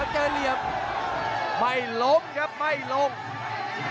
ต้องบอกว่าคนที่จะโชคกับคุณพลน้อยสภาพร่างกายมาต้องเกินร้อยครับ